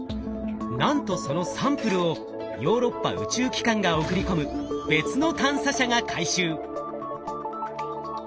なんとそのサンプルをヨーロッパ宇宙機関が送り込む別の探査車が回収。